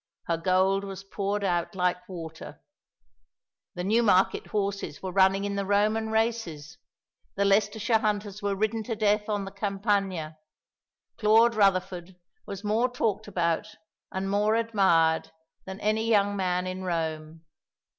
Her gold was poured out like water. The Newmarket horses were running in the Roman races; the Leicestershire hunters were ridden to death on the Campagna. Claude Rutherford was more talked about, and more admired, than any young man in Rome.